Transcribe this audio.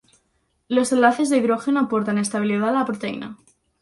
Los enlaces de hidrógeno aportan estabilidad a la proteína.